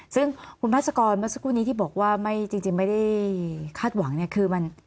ซึ่งคุณพาสกรเมื่อสักครู่นี้ที่บอกว่าไม่จริงไม่ได้คาดหวังเนี่ยคือมัน